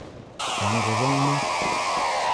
Яңғыҙыңмы?